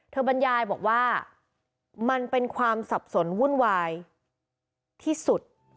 บรรยายบอกว่ามันเป็นความสับสนวุ่นวายที่สุด